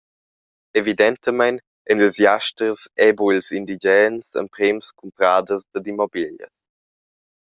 Evidentamein ein ils jasters e buc ils indigens emprems cumpraders dad immobiglias.